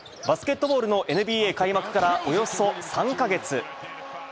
バスケットボールのＮＢＡ開幕からおよそ３か月。